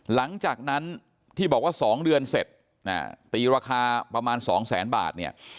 หลังจากนั้นที่บอกว่า๒เดือนเสร็จตีราคาประมาณ๒แสนบาทเนี่ย